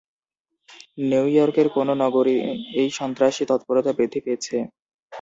নিউইয়র্কের কোন নগরে এই সন্ত্রাসী তৎপরতা বৃদ্ধি পেয়েছে?